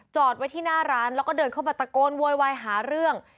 จอดไว้ที่หน้าร้านแล้วก็เดินเข้ามาตะโกนโวยวายหาเรื่อง